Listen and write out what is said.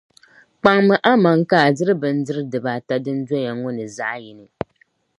Kpaŋmi amaŋ ka a diri bindira dibaata din doya ŋɔ ni zaɣi yini.